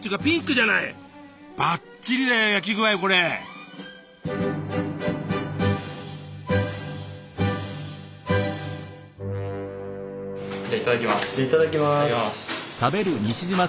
じゃいただきます。